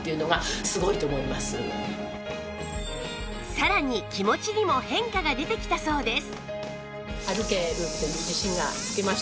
さらに気持ちにも変化が出てきたそうです